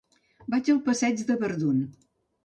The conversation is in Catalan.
Vaig al passeig de Verdun.